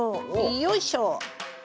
よいしょ。